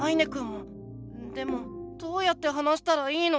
でもどうやって話したらいいの？